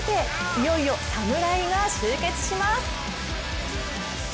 いよいよ侍が集結します。